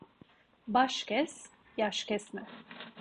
Baş kes, yaş kesme.